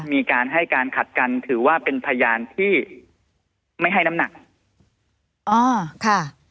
มีการให้การขัดกันถือว่าเป็นพยานที่ไม่ให้น้ำหนักอ๋อค่ะ